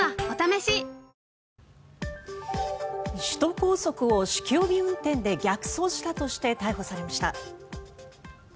首都高速を酒気帯び運転で逆走したとして逮捕されました。